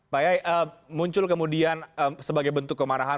pak yai muncul kemudian sebagai bentuk kemarahan